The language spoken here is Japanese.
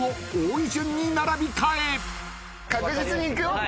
確実にいくよ？